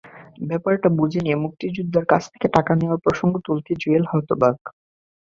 ব্যাপারটা বুঝে নিয়ে মুক্তিযোদ্ধার কাছ থেকে টাকা নেওয়ার প্রসঙ্গ তুললেতেই জুয়েল হতবাক।